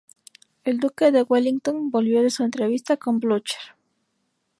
El Duque de Wellington volvió de su entrevista con Blücher.